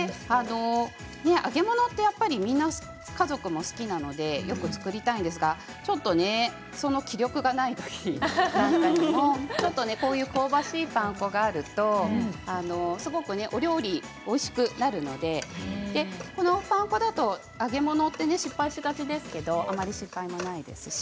揚げ物ってみんな好きなので作りたいんですがちょっとその気力がないときこういう香ばしいパン粉があるとすごく料理がおいしくなるのでこのパン粉だと揚げ物って失敗しがちですけれどあまり失敗もしないですし。